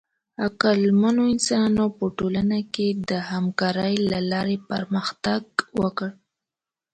عقلمنو انسانانو په ټولنه کې د همکارۍ له لارې پرمختګ وکړ.